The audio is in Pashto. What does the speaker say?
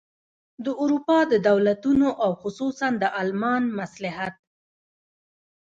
د اروپا د دولتونو او خصوصاً د المان مصلحت.